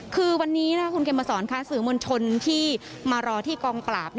คือวันนี้คุณเขมสอนค่ะสื่อมวลชนที่มารอที่กองปราบ